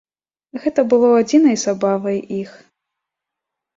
Гэта было адзінай забавай іх.